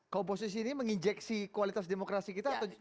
komposisi ini menginjeksi kualitas demokrasi kita atau